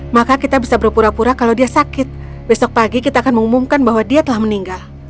maka kita bisa berpura pura kalau dia sakit besok pagi kita akan mengumumkan bahwa dia telah meninggal